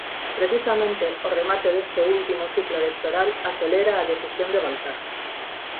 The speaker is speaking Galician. Precisamente, o remate deste último ciclo electoral acelera a decisión de Baltar.